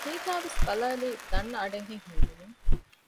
ނީތާ ވެސް ބަލައިލީ ދަންނަ އަޑެއްހެން ހީވުމުން